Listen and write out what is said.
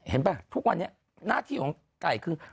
ป่ะทุกวันนี้หน้าที่ของไก่คือ